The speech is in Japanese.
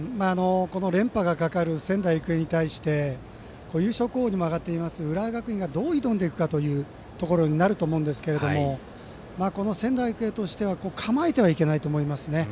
連覇がかかる仙台育英に対して優勝候補にも挙がっている浦和学院がどう挑んでいくかだと思いますが仙台育英としては構えてはいけないと思います。